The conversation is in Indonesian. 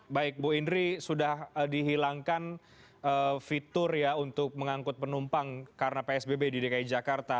baik bu indri sudah dihilangkan fitur ya untuk mengangkut penumpang karena psbb di dki jakarta